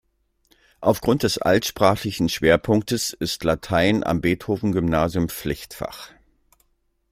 Aufgrund des altsprachlichen Schwerpunktes ist Latein am Beethoven-Gymnasium Pflichtfach.